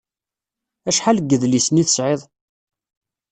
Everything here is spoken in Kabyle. Acḥal n yedlisen i tesɛiḍ?